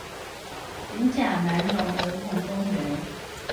五甲南榮兒童公園